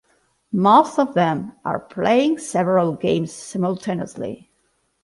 Most of them are playing several games simultaneously.